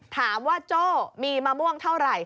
ถามว่าโจ้มีมะม่วงเท่าไร